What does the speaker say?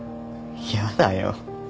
嫌だよ。